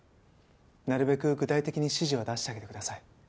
なるべく具体的に指示は出してあげてください。